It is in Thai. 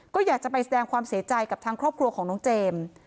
ก็อยากจะไปแสดงความเสียใจกับทางครอบครัวของน้องเจมส์